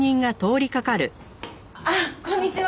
あっこんにちは。